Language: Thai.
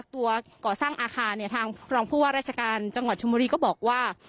ตัวก่อสร้างอาคารเนี่ยทางรองผู้ว่าราชการจังหวัดชมบุรีก็บอกว่า